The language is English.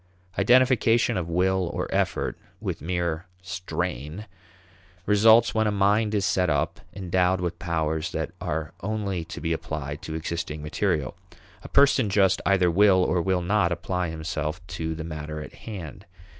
Identification of will, or effort, with mere strain, results when a mind is set up, endowed with powers that are only to be applied to existing material. A person just either will or will not apply himself to the matter in hand.